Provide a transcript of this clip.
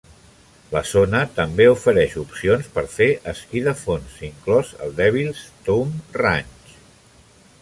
La zona també ofereix opcions per fer esquí de fons, inclòs el Devil's Thumb Ranch.